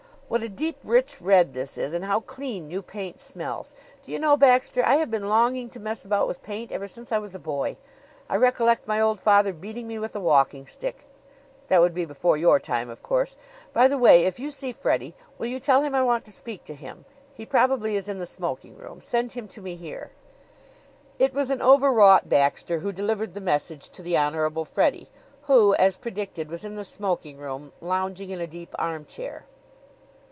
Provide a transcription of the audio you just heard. What a deep, rich red this is, and how clean new paint smells! Do you know, Baxter, I have been longing to mess about with paint ever since I was a boy! I recollect my old father beating me with a walking stick. ... That would be before your time, of course. By the way, if you see Freddie, will you tell him I want to speak to him? He probably is in the smoking room. Send him to me here." It was an overwrought Baxter who delivered the message to the Honorable Freddie, who, as predicted, was in the smoking room, lounging in a deep armchair.